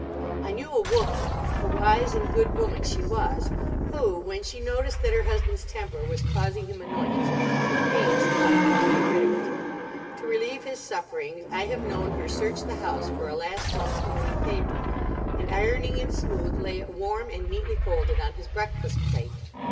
I knew a woman—a wise and good woman she was—who when she noticed that her husband's temper was causing him annoyance, took pains to help him to get rid of it. To relieve his sufferings I have known her search the house for a last month's morning paper and, ironing it smooth, lay it warm and neatly folded on his breakfast plate.